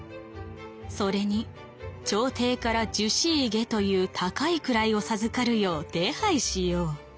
それに朝廷から従四位下という高い位を授かるよう手配しよう。